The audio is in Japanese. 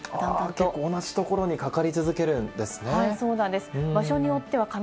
結構、同じところにかかり続けるんですね。